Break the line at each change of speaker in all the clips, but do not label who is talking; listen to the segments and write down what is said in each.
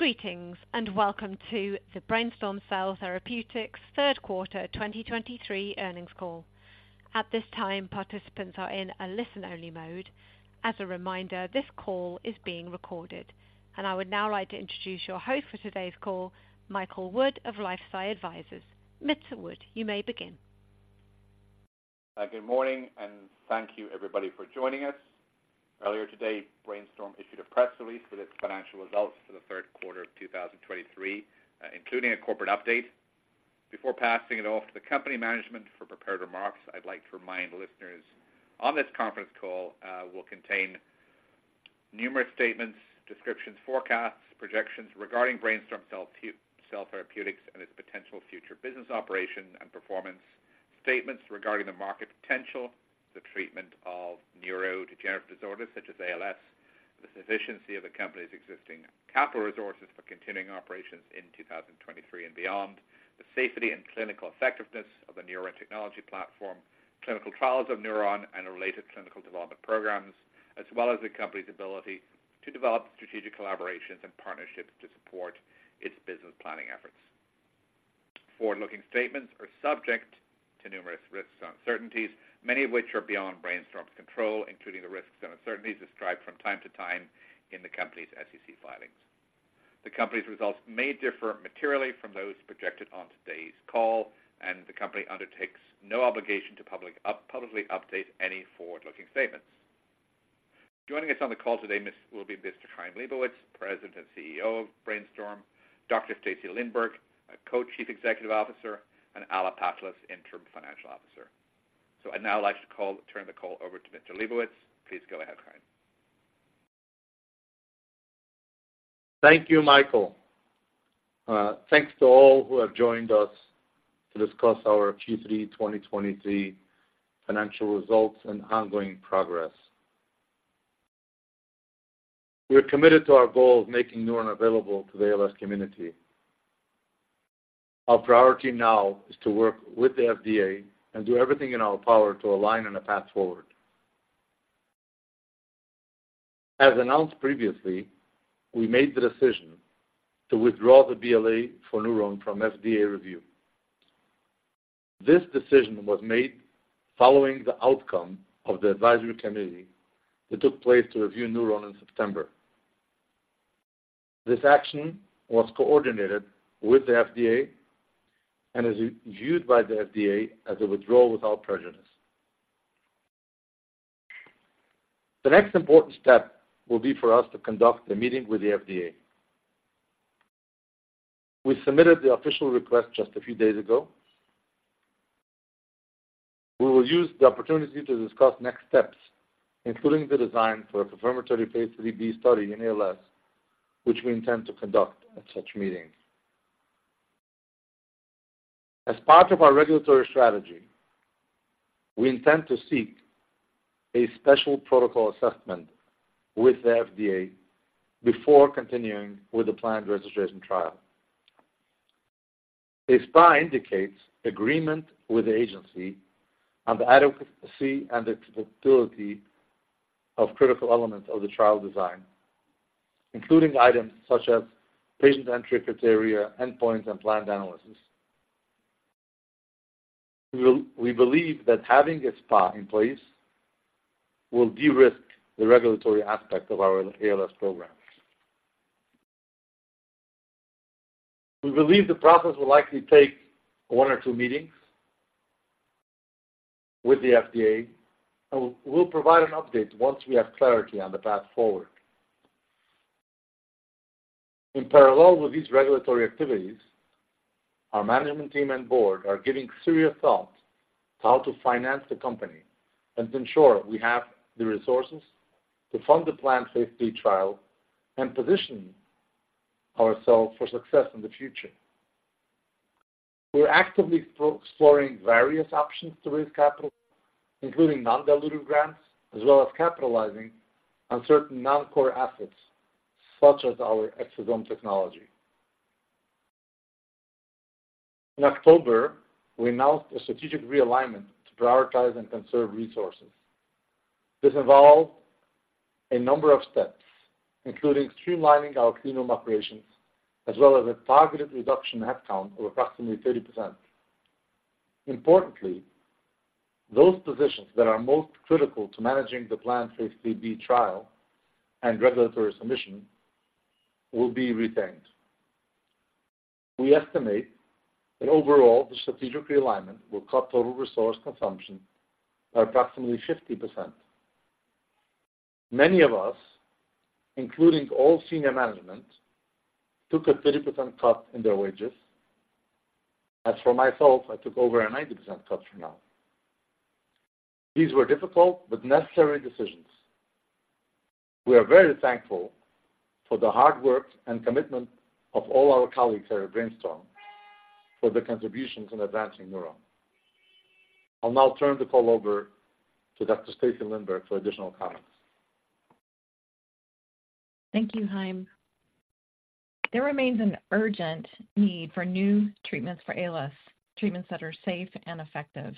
Greetings, and welcome to the BrainStorm Cell Therapeutics third quarter 2023 earnings call. At this time, participants are in a listen-only mode. As a reminder, this call is being recorded. I would now like to introduce your host for today's call, Michael Wood of LifeSci Advisors. Mr. Wood, you may begin.
Good morning, and thank you, everybody, for joining us. Earlier today, BrainStorm issued a press release with its financial results for the third quarter of 2023, including a corporate update. Before passing it off to the company management for prepared remarks, I'd like to remind listeners on this conference call will contain numerous statements, descriptions, forecasts, projections regarding BrainStorm Cell Therapeutics, and its potential future business operation and performance. Statements regarding the market potential, the treatment of neurodegenerative disorders, such as ALS, the sufficiency of the company's existing capital resources for continuing operations in 2023 and beyond, the safety and clinical effectiveness of the NurOwn technology platform, clinical trials of NurOwn, and related clinical development programs, as well as the company's ability to develop strategic collaborations and partnerships to support its business planning efforts. Forward-looking statements are subject to numerous risks and uncertainties, many of which are beyond BrainStorm's control, including the risks and uncertainties described from time to time in the company's SEC filings. The company's results may differ materially from those projected on today's call, and the company undertakes no obligation to publicly update any forward-looking statements. Joining us on the call today will be Mr. Chaim Lebovits, President and CEO of BrainStorm, Dr. Stacy Lindborg, Co-Chief Executive Officer, and Alla Patlis, Interim Chief Financial Officer. So I'd now like to turn the call over to Mr. Lebovits. Please go ahead, Chaim.
Thank you, Michael. Thanks to all who have joined us to discuss our Q3 2023 financial results and ongoing progress. We are committed to our goal of making NurOwn available to the ALS community. Our priority now is to work with the FDA and do everything in our power to align on a path forward. As announced previously, we made the decision to withdraw the BLA for NurOwn from FDA review. This decision was made following the outcome of the advisory committee that took place to review NurOwn in September. This action was coordinated with the FDA and is viewed by the FDA as a withdrawal without prejudice. The next important step will be for us to conduct a meeting with the FDA. We submitted the official request just a few days ago. We will use the opportunity to discuss next steps, including the design for a confirmatory phase IIIb study in ALS, which we intend to conduct at such meetings. As part of our regulatory strategy, we intend to seek a Special Protocol Assessment with the FDA before continuing with the planned registration trial. A SPA indicates agreement with the agency on the adequacy and acceptability of critical elements of the trial design, including items such as patient entry criteria, endpoints, and planned analysis. We believe that having a SPA in place will de-risk the regulatory aspect of our ALS programs. We believe the process will likely take one or two meetings with the FDA, and we'll provide an update once we have clarity on the path forward. In parallel with these regulatory activities, our management team and board are giving serious thought to how to finance the company and ensure we have the resources to fund the planned phase III trial and position ourselves for success in the future. We're actively exploring various options to raise capital, including non-dilutive grants, as well as capitalizing on certain non-core assets, such as our exosome technology. In October, we announced a strategic realignment to prioritize and conserve resources. This involved a number of steps, including streamlining our clinical operations, as well as a targeted reduction in headcount of approximately 30%. Importantly, those positions that are most critical to managing the planned phase IIIb trial and regulatory submission will be retained. We estimate that overall, the strategic realignment will cut total resource consumption by approximately 50%. Many of us, including all senior management, took a 30% cut in their wages. As for myself, I took over a 90% cut for now. These were difficult but necessary decisions. We are very thankful for the hard work and commitment of all our colleagues here at BrainStorm for their contributions in advancing NurOwn. I'll now turn the call over to Dr. Stacy Lindborg for additional comments.
Thank you, Chaim. There remains an urgent need for new treatments for ALS, treatments that are safe and effective.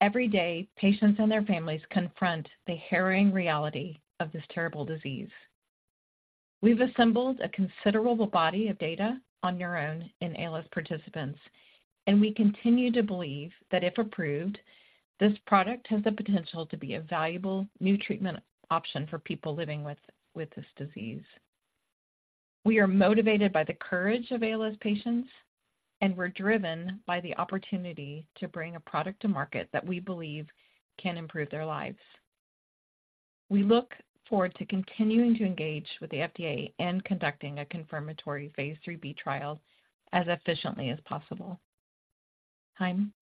Every day, patients and their families confront the harrowing reality of this terrible disease. We've assembled a considerable body of data on NurOwn in ALS participants, and we continue to believe that if approved, this product has the potential to be a valuable new treatment option for people living with this disease. We are motivated by the courage of ALS patients, and we're driven by the opportunity to bring a product to market that we believe can improve their lives. We look forward to continuing to engage with the FDA and conducting a confirmatory phase IIIb trial as efficiently as possible. Chaim?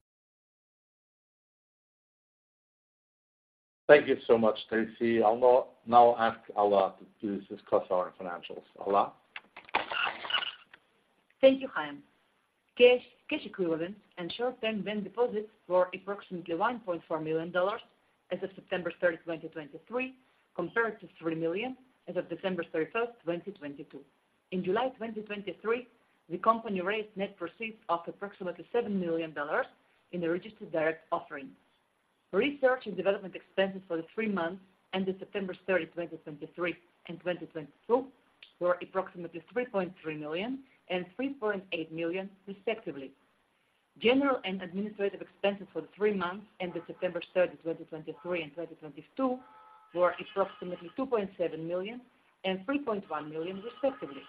Thank you so much, Stacy. I'll now ask Alla to discuss our financials. Alla?
Thank you, Chaim. Cash, cash equivalents, and short-term bank deposits were approximately $1.4 million as of September 30, 2023, compared to $3 million as of December 31, 2022. In July 2023, the company raised net proceeds of approximately $7 million in a registered direct offering. Research and development expenses for the three months ended September 30, 2023 and 2022, were approximately $3.3 million and $3.8 million, respectively. General and administrative expenses for the three months ended September 30, 2023 and 2022, were approximately $2.7 million and $3.1 million, respectively.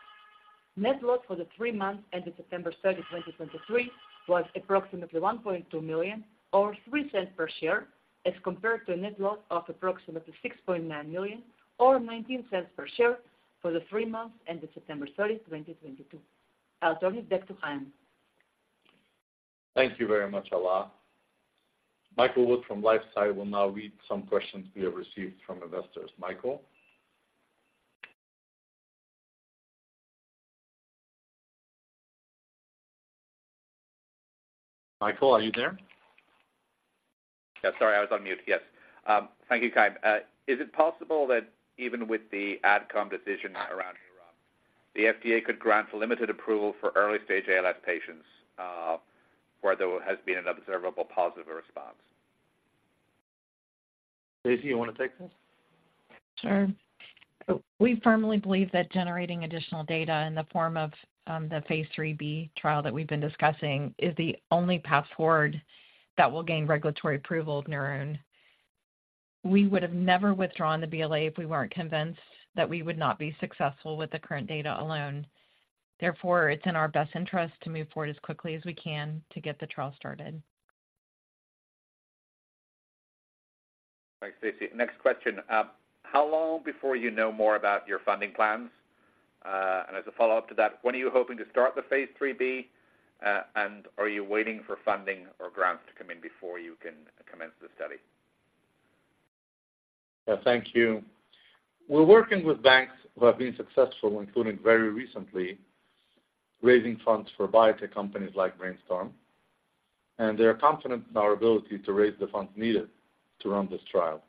Net loss for the three months ended September 30, 2023, was approximately $1.2 million or $0.03 per share, as compared to a net loss of approximately $6.9 million or $0.19 per share for the three months ended September 30, 2022. I'll turn it back to Chaim.
Thank you very much, Alla. Michael Wood from LifeSci will now read some questions we have received from investors. Michael? Michael, are you there?
Yeah, sorry, I was on mute. Yes. Thank you, Chaim. Is it possible that even with the Adcom decision around Europe, the FDA could grant limited approval for early-stage ALS patients, where there has been an observable positive response?
Stacy, you want to take this?
Sure. We firmly believe that generating additional data in the form of the phase IIIb trial that we've been discussing is the only path forward that will gain regulatory approval of NurOwn. We would have never withdrawn the BLA if we weren't convinced that we would not be successful with the current data alone. Therefore, it's in our best interest to move forward as quickly as we can to get the trial started.
Thanks, Stacy. Next question. How long before you know more about your funding plans? And as a follow-up to that, when are you hoping to start the phase IIIb, and are you waiting for funding or grants to come in before you can commence the study?
Yeah, thank you. We're working with banks who have been successful, including very recently, raising funds for biotech companies like BrainStorm, and they are confident in our ability to raise the funds needed to run this trial.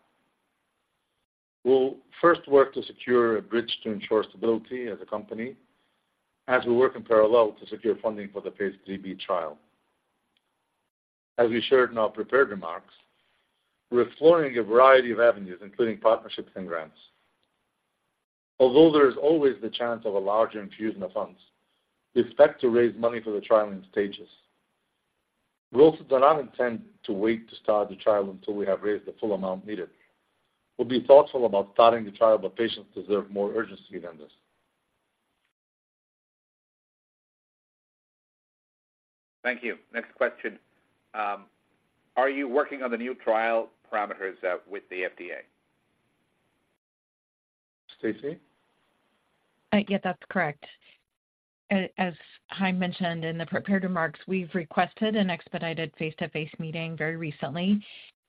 We'll first work to secure a bridge to ensure stability as a company as we work in parallel to secure funding for the phase IIIb trial. As we shared in our prepared remarks, we're exploring a variety of avenues, including partnerships and grants. Although there is always the chance of a larger infusion of funds, we expect to raise money for the trial in stages. We also do not intend to wait to start the trial until we have raised the full amount needed. We'll be thoughtful about starting the trial, but patients deserve more urgency than this.
Thank you. Next question. Are you working on the new trial parameters with the FDA?
Stacy?
Yes, that's correct. As Chaim mentioned in the prepared remarks, we've requested an expedited face-to-face meeting very recently,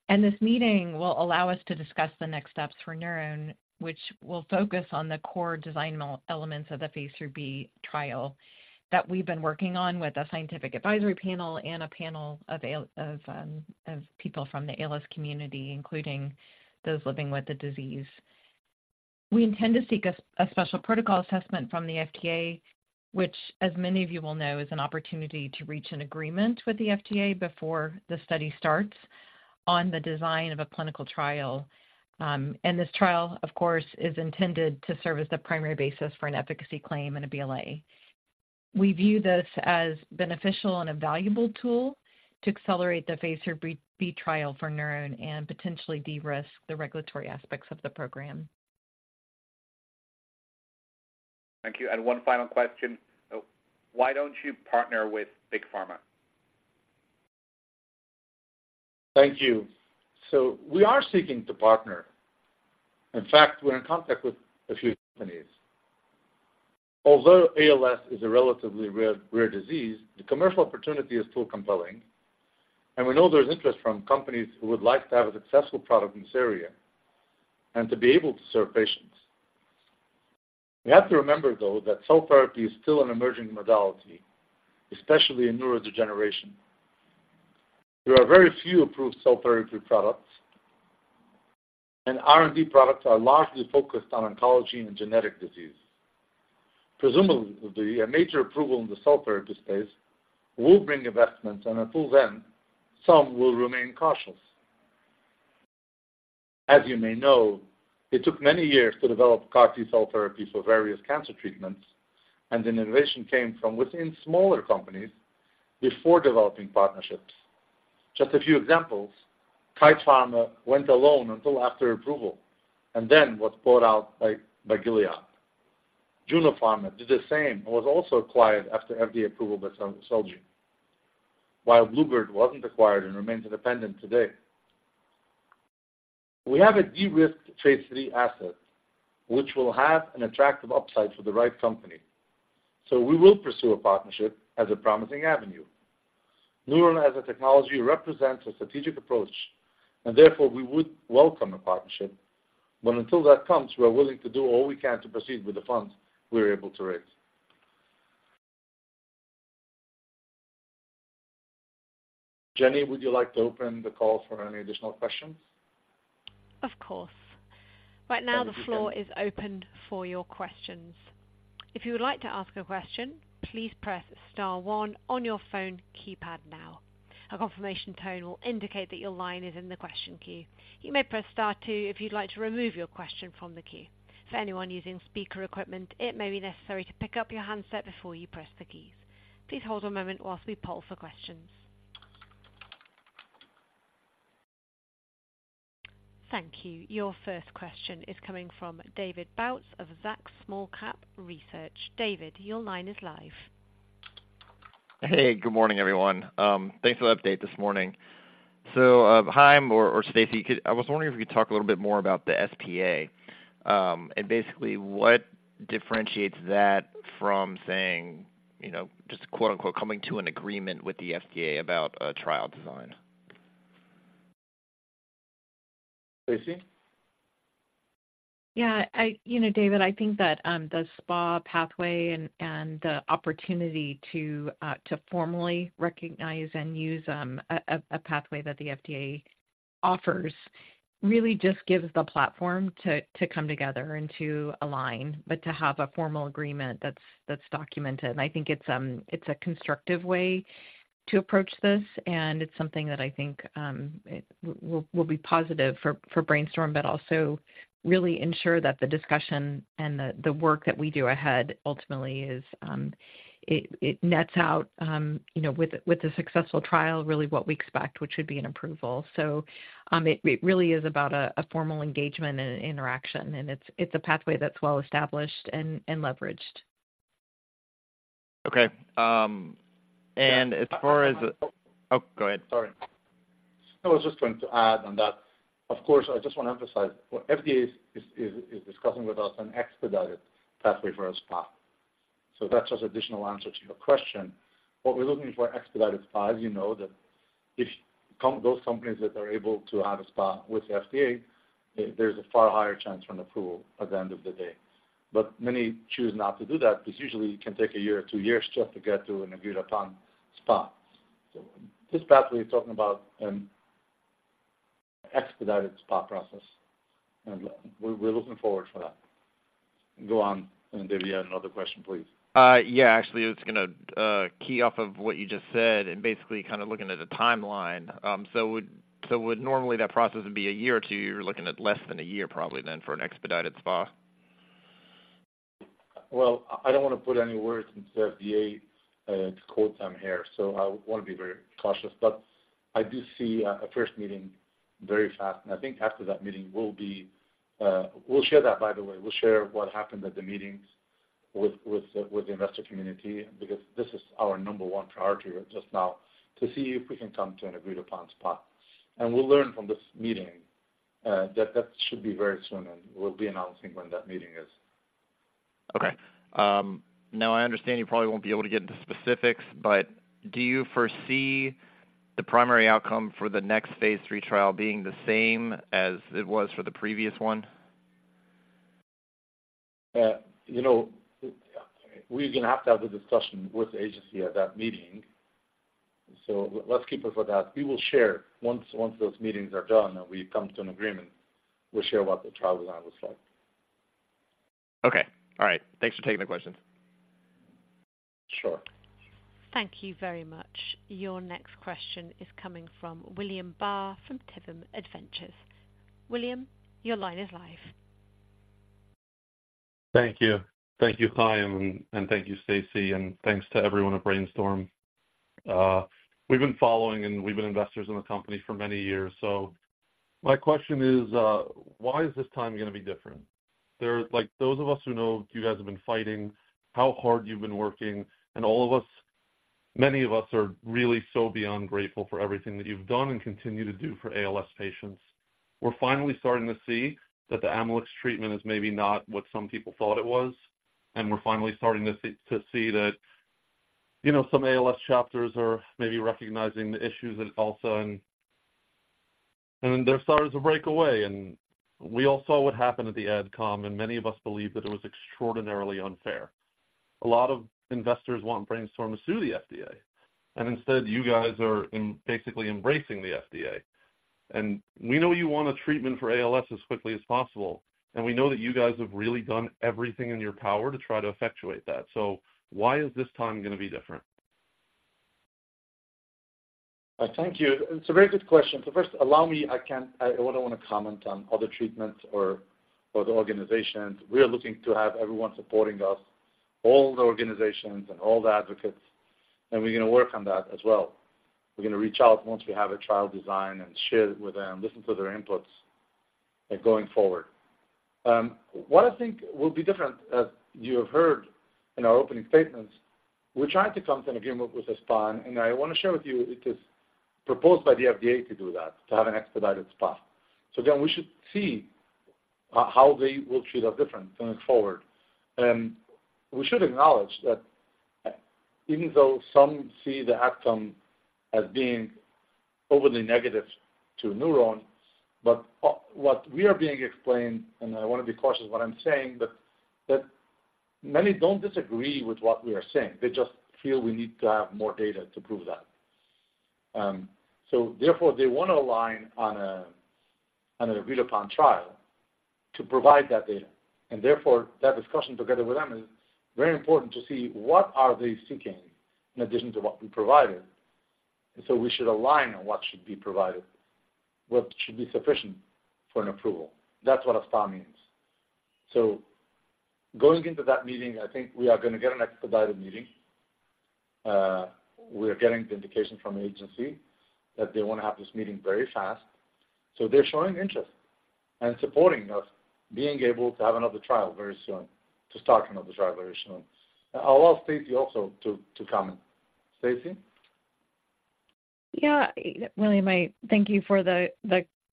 and this meeting will allow us to discuss the next steps for NurOwn, which will focus on the core design elements of the phase IIIb trial that we've been working on with a scientific advisory panel and a panel of people from the ALS community, including those living with the disease. We intend to seek a special protocol assessment from the FDA, which, as many of you will know, is an opportunity to reach an agreement with the FDA before the study starts on the design of a clinical trial. And this trial, of course, is intended to serve as the primary basis for an efficacy claim and a BLA. We view this as beneficial and a valuable tool to accelerate the phase IIIb trial for NurOwn and potentially de-risk the regulatory aspects of the program.
Thank you. One final question: why don't you partner with Big Pharma?
Thank you. So we are seeking to partner. In fact, we're in contact with a few companies. Although ALS is a relatively rare, rare disease, the commercial opportunity is still compelling, and we know there's interest from companies who would like to have a successful product in this area and to be able to serve patients. We have to remember, though, that cell therapy is still an emerging modality, especially in neurodegeneration. There are very few approved cell therapy products. R&D products are largely focused on oncology and genetic disease. Presumably, a major approval in the cell therapy space will bring investments, and until then, some will remain cautious. As you may know, it took many years to develop CAR T cell therapy for various cancer treatments, and innovation came from within smaller companies before developing partnerships. Just a few examples, Kite Pharma went alone until after approval, and then was bought out by Gilead. Juno Pharma did the same and was also acquired after FDA approval by Celgene, while Bluebird wasn't acquired and remains independent today. We have a de-risked phase III asset, which will have an attractive upside for the right company, so we will pursue a partnership as a promising avenue. NurOwn as a technology represents a strategic approach and therefore we would welcome a partnership, but until that comes, we are willing to do all we can to proceed with the funds we are able to raise. Jenny, would you like to open the call for any additional questions?
Of course. Right now, the floor is open for your questions. If you would like to ask a question, please press star one on your phone keypad now. A confirmation tone will indicate that your line is in the question queue. You may press star two if you'd like to remove your question from the queue. For anyone using speaker equipment, it may be necessary to pick up your handset before you press the keys. Please hold on a moment while we poll for questions. Thank you. Your first question is coming from David Bautz of Zacks Small Cap Research. David, your line is live.
Hey, good morning, everyone. Thanks for the update this morning. So, Chaim or Stacy, could I was wondering if you could talk a little bit more about the SPA, and basically what differentiates that from saying, you know, just quote, unquote, "Coming to an agreement with the FDA about a trial design?
Stacey?
Yeah, you know, David, I think that the SPA pathway and the opportunity to formally recognize and use a pathway that the FDA offers really just gives the platform to come together and to align, but to have a formal agreement that's documented. I think it's a constructive way to approach this, and it's something that I think it will be positive for BrainStorm, but also really ensure that the discussion and the work that we do ahead ultimately nets out, you know, with the successful trial, really what we expect, which would be an approval. So, it really is about a formal engagement and an interaction, and it's a pathway that's well established and leveraged.
Okay, and as far as— Oh, go ahead.
Sorry. I was just going to add on that. Of course, I just want to emphasize, what the FDA is discussing with us is an expedited pathway for a SPA. So that's just additional answer to your question. What we're looking for, expedited SPA, as you know, that if companies that are able to have a SPA with the FDA, there's a far higher chance for an approval at the end of the day. But many choose not to do that, because usually it can take a year or two years just to get to an agreed-upon SPA. So this pathway is talking about an expedited SPA process, and we're looking forward for that. Go on, and if you had another question, please.
Yeah, actually, it's gonna key off of what you just said and basically kind of looking at the timeline. So would normally that process would be a year or two, you're looking at less than a year, probably then, for an expedited SPA?
Well, I don't want to put any words into the FDA to quote them here, so I want to be very cautious. But I do see a first meeting very fast, and I think after that meeting, we'll be... We'll share that, by the way. We'll share what happened at the meetings with the investor community, because this is our number one priority just now, to see if we can come to an agreed-upon SPA. And we'll learn from this meeting that should be very soon, and we'll be announcing when that meeting is.
Okay. Now, I understand you probably won't be able to get into specifics, but do you foresee the primary outcome for the next phase III trial being the same as it was for the previous one?
You know, we're gonna have to have a discussion with the agency at that meeting, so let's keep it for that. We will share once those meetings are done and we come to an agreement, we'll share what the trial design looks like.
Okay, all right. Thanks for taking the questions.
Sure.
Thank you very much. Your next question is coming from William Barr from Tivim Adventures. William, your line is live.
Thank you. Thank you, Chaim, and thank you, Stacy, and thanks to everyone at BrainStorm. We've been following and we've been investors in the company for many years. So my question is, why is this time gonna be different? There are, like, those of us who know you guys have been fighting, how hard you've been working, and all of us, many of us are really so beyond grateful for everything that you've done and continue to do for ALS patients. We're finally starting to see that the Amylyx treatment is maybe not what some people thought it was, and we're finally starting to see, to see that, you know, some ALS chapters are maybe recognizing the issues at ALSON, and they're starting to break away. And we all saw what happened at the Adcom, and many of us believe that it was extraordinarily unfair.... A lot of investors want BrainStorm to sue the FDA, and instead, you guys are basically embracing the FDA. And we know you want a treatment for ALS as quickly as possible, and we know that you guys have really done everything in your power to try to effectuate that. So why is this time going to be different?
Thank you. It's a very good question. So first, allow me, I can't-- I wouldn't want to comment on other treatments or, or the organizations. We are looking to have everyone supporting us, all the organizations and all the advocates, and we're going to work on that as well. We're going to reach out once we have a trial design and share it with them, listen to their inputs and going forward. What I think will be different, as you have heard in our opening statements, we're trying to come to an agreement with the SPA, and I want to share with you, it is proposed by the FDA to do that, to have an expedited SPA. So again, we should see how they will treat us different going forward. We should acknowledge that even though some see the outcome as being overly negative to NurOwn, but, what we are being explained, and I want to be cautious what I'm saying, but that many don't disagree with what we are saying. They just feel we need to have more data to prove that. So therefore, they want to align on a, on a readout on a trial to provide that data, and therefore, that discussion together with them is very important to see what are they seeking in addition to what we provided. And so we should align on what should be provided, what should be sufficient for an approval. That's what a SPA means. So going into that meeting, I think we are going to get an expedited meeting. We are getting the indication from the agency that they want to have this meeting very fast. So they're showing interest and supporting us, being able to have another trial very soon, to start another trial very soon. I'll ask Stacy also to, to comment. Stacy?
Yeah, William, I thank you for the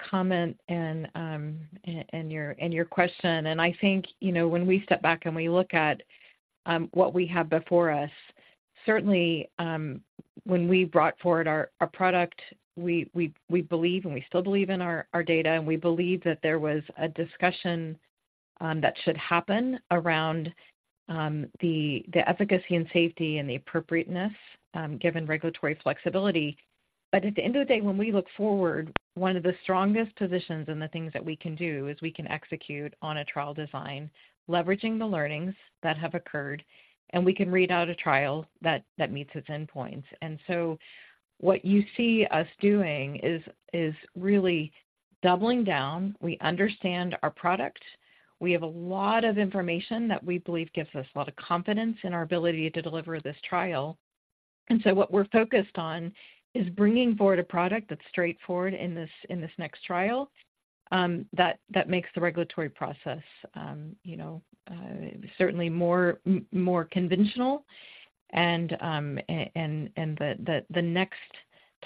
comment and your question. And I think, you know, when we step back and we look at what we have before us, certainly, when we brought forward our product, we believe, and we still believe in our data, and we believe that there was a discussion that should happen around the efficacy and safety and the appropriateness, given regulatory flexibility. But at the end of the day, when we look forward, one of the strongest positions and the things that we can do is we can execute on a trial design, leveraging the learnings that have occurred, and we can read out a trial that meets its endpoints. And so what you see us doing is really doubling down. We understand our product. We have a lot of information that we believe gives us a lot of confidence in our ability to deliver this trial. So what we're focused on is bringing forward a product that's straightforward in this next trial, that makes the regulatory process, you know, certainly more conventional and the next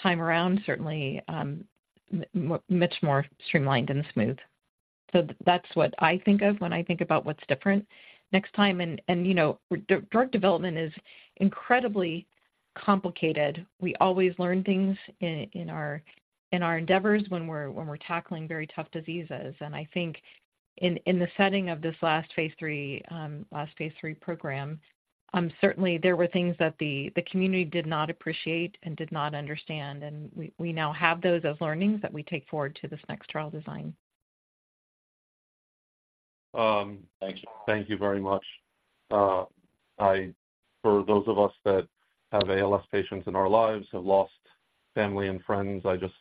time around, certainly much more streamlined and smooth. So that's what I think of when I think about what's different next time. And you know, drug development is incredibly complicated. We always learn things in our endeavors when we're tackling very tough diseases. I think in the setting of this last phase III, last phase III program, certainly there were things that the community did not appreciate and did not understand, and we now have those as learnings that we take forward to this next trial design.
Thank you. Thank you very much. For those of us that have ALS patients in our lives, have lost family and friends, I just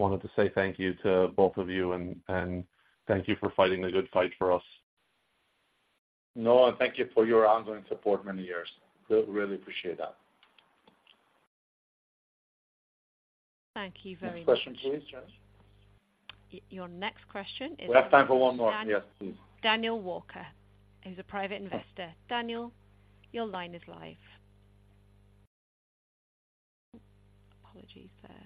wanted to say thank you to both of you, and, and thank you for fighting the good fight for us.
No, thank you for your ongoing support many years. We really appreciate that.
Thank you very much.
Next question, please, Jess.
Your next question is-
We have time for one more. Yes, please.
Daniel Walker. He's a private investor. Daniel, your line is live. Apologies there.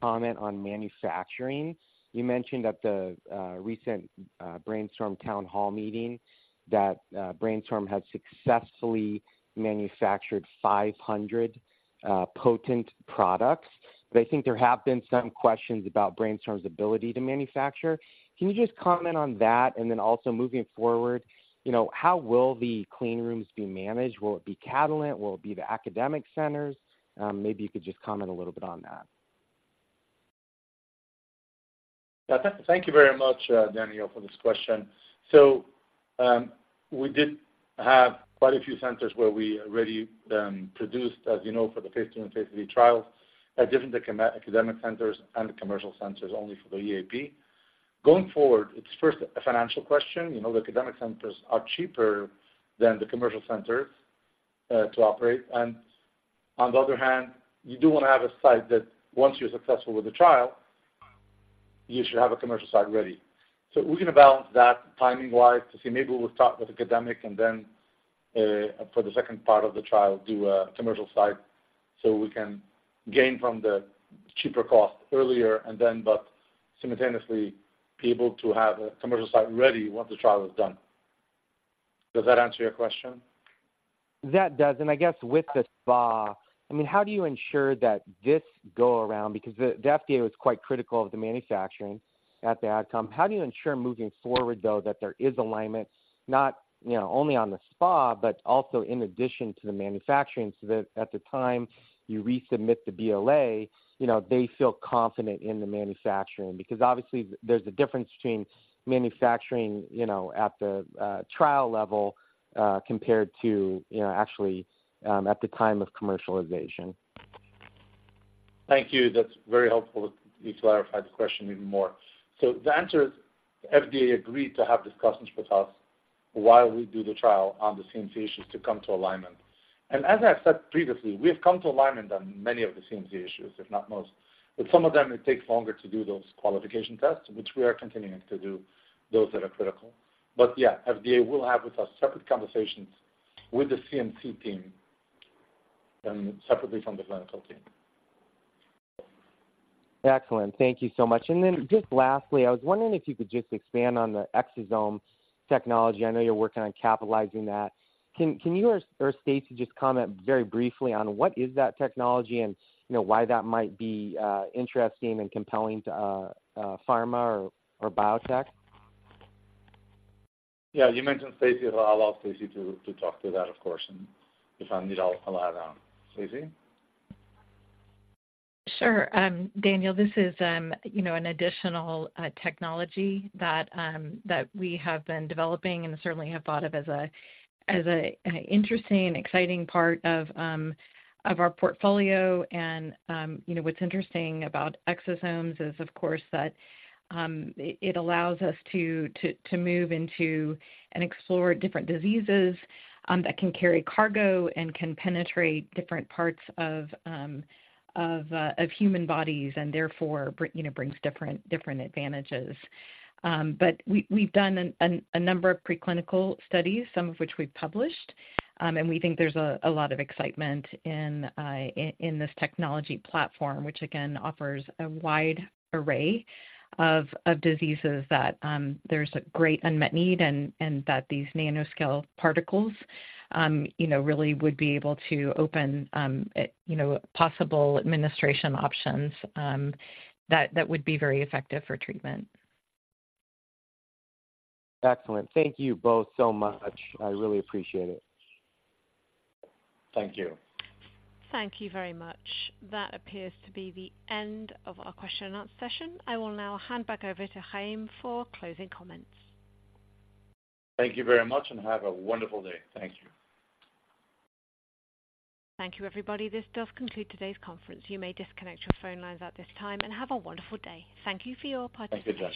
Comment on manufacturing. You mentioned at the recent BrainStorm town hall meeting that BrainStorm had successfully manufactured 500 potent products. But I think there have been some questions about BrainStorm's ability to manufacture. Can you just comment on that? And then also, moving forward, you know, how will the clean rooms be managed? Will it be Catalent? Will it be the academic centers? Maybe you could just comment a little bit on that.
Yeah. Thank you very much, Daniel, for this question. So, we did have quite a few centers where we already produced, as you know, for the phase II and phase III trials, at different academic centers and commercial centers, only for the EAP. Going forward, it's first a financial question. You know, the academic centers are cheaper than the commercial centers to operate. And on the other hand, you do want to have a site that, once you're successful with the trial, you should have a commercial site ready. So we're going to balance that timing-wise to see. Maybe we'll start with academic and then, for the second part of the trial, do a commercial site, so we can gain from the cheaper cost earlier and then but simultaneously be able to have a commercial site ready once the trial is done. Does that answer your question?
That does. And I guess with the SPA, I mean, how do you ensure that this go around? Because the FDA was quite critical of the manufacturing at the outcome. How do you ensure moving forward, though, that there is alignment, not, you know, only on the SPA, but also in addition to the manufacturing, so that at the time you resubmit the BLA, you know, they feel confident in the manufacturing? Because obviously there's a difference between manufacturing, you know, at the trial level, compared to, you know, actually, at the time of commercialization.
Thank you. That's very helpful. You clarified the question even more. So the answer is, FDA agreed to have discussions with us while we do the trial on the CMC issues to come to alignment. And as I've said previously, we have come to alignment on many of the CMC issues, if not most, but some of them, it takes longer to do those qualification tests, which we are continuing to do those that are critical. But yeah, FDA will have with us separate conversations with the CMC team and separately from the clinical team.
Excellent. Thank you so much. And then just lastly, I was wondering if you could just expand on the exosome technology. I know you're working on capitalizing that. Can you or Stacy just comment very briefly on what is that technology and, you know, why that might be interesting and compelling to pharma or biotech?
Yeah, you mentioned Stacy, so I'll allow Stacy to talk to that, of course, and if I need, I'll allow that. Stacy?
Sure. Daniel, this is, you know, an additional technology that we have been developing and certainly have thought of as an interesting and exciting part of our portfolio. And, you know, what's interesting about exosomes is, of course, that it allows us to move into and explore different diseases that can carry cargo and can penetrate different parts of human bodies and therefore bring... you know, brings different advantages. But we, we've done a number of preclinical studies, some of which we've published. And we think there's a lot of excitement in this technology platform, which again, offers a wide array of diseases that there's a great unmet need and that these nanoscale particles, you know, really would be able to open possible administration options that would be very effective for treatment.
Excellent. Thank you both so much. I really appreciate it.
Thank you.
Thank you very much. That appears to be the end of our question and answer session. I will now hand back over to Chaim for closing comments.
Thank you very much, and have a wonderful day. Thank you.
Thank you, everybody. This does conclude today's conference. You may disconnect your phone lines at this time and have a wonderful day. Thank you for your participation.